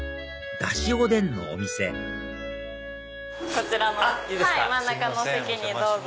こちら真ん中のお席にどうぞ。